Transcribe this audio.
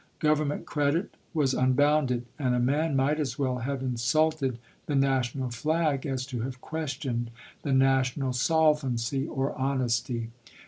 Grovernment credit was unbounded ; and a man might as well have insulted the national flag as to have questioned the national solvency or honesty.